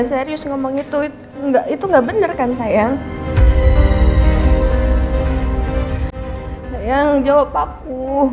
sayang jawab aku